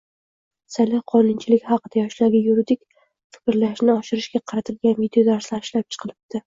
saylov qonunchiligi haqida yoshlarga yuridik fikrlashini oshirishga qaratilgan videodarslar ishlab chiqilibdi.